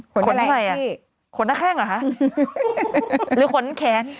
ขนอะไรอ่ะขนแข้งหรอคะหรือขนแขน